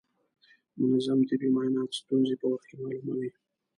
منظم طبي معاینات ستونزې په وخت کې معلوموي.